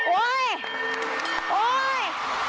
โอ๊ยโอ๊ย